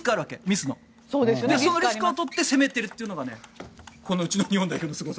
そのリスクを取って攻めているというのがうちの日本代表のすごさ。